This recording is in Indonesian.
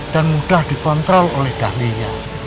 dan mudah dikontrol oleh dahlia